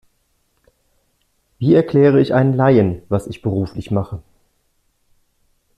Wie erkläre ich einem Laien, was ich beruflich mache?